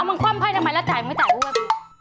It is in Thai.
เอามาค่อมไพ่ทำไมแล้วจ่ายไม่ได้ก็เปิด